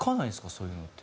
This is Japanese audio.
そういうのって。